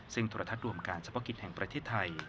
ซึ่งตรฐัฐรวมการชะพกิจแห่งประเทศไทย